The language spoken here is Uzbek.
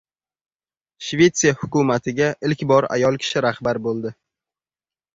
Shvetsiya hukumatiga ilk bor ayol kishi rahbar bo‘ldi